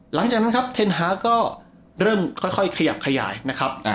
หลังจากนั้นครับเทนฮาร์ก็เริ่มค่อยขยับขยายนะครับ